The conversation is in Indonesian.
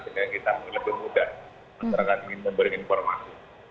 jadi kita lebih mudah masyarakat ingin memberi informasi